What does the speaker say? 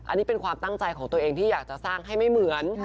อันนี้เป็นความตั้งใจของตัวเองที่อยากจะสร้างให้ไม่เหมือน